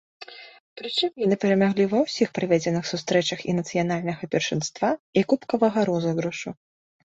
Прычым яны перамаглі ва ўсіх праведзеных сустрэчах і нацыянальнага першынства, і кубкавага розыгрышу.